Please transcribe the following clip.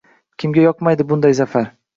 Kimga yoqmaydi bunday zafar?